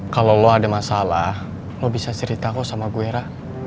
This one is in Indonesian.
kalo lo ada masalah lo bisa ceritaku sama gue ra